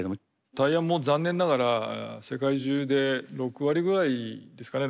タイヤも残念ながら世界中で６割ぐらいですかね